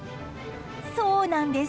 そうなんです。